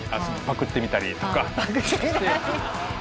パクってみたりとか。